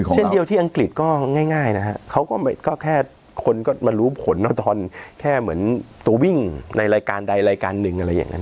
เช่นเดียวที่อังกฤษก็ง่ายนะครับคนก็มารู้ผลแบบตัววิ่งในรายการใดรายการหนึ่ง